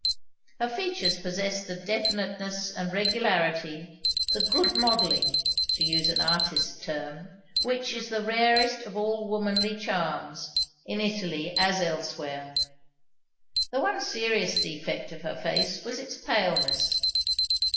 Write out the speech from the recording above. Her features possessed the definiteness and regularity, the "good modeling" (to use an artist's term), which is the rarest of all womanly charms, in Italy as elsewhere. The one serious defect of her face was its paleness.